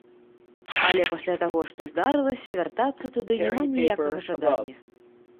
Але пасля таго, што здарылася, вяртацца туды няма ніякага жадання.